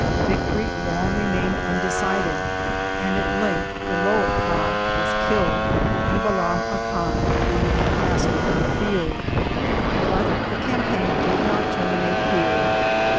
Victory long remained unde cided, and at length Iloacab was killed, and Balam Acan remained master of the field. But the campaign did not terminate here.